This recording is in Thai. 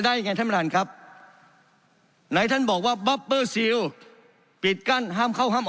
ได้ยังไงท่านบรรณครับไหนท่านบอกว่าปิดกั้นห้ามเข้าห้าม